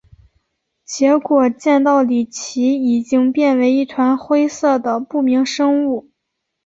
结果见到李奇已经变为一团灰色的不明生物。